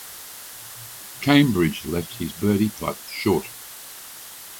Cambridge left his birdie putt short.